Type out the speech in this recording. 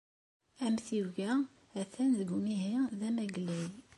Amtiweg-a atan deg umihi d amaglay.